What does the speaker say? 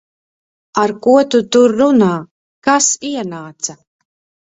Ar ko tu tur runā? Kas ienāca?